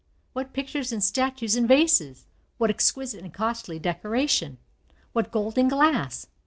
What pictures and statues and vases! what exquisite and costly decoration! what gold and glass!